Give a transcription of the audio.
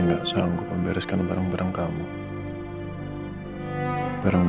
masaklah semangat putri yang kamu pelajari